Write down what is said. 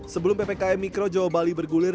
sebelum ppkm mikro jawa bali bergulir